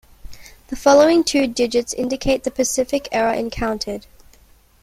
The following two digits indicate the specific error encountered.